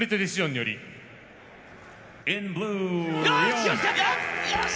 よし！